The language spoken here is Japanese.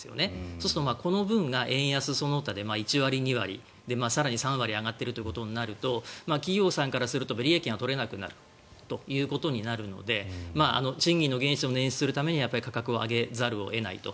そうするとこの分が円安その他で１割２割更に３割上がっているとなると企業さんからすると利益が取れなくなるということになるので賃金の原資を捻出するためには価格を上げざるを得ないと。